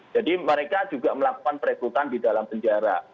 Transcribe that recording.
jadi mereka juga melakukan peregutan di dalam penjara